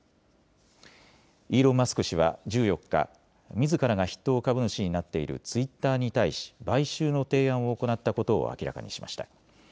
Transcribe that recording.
イーロン・マスク氏は１４日、みずからが筆頭株主になっているツイッターに対し買収の提案を行ったことを明らかにしました。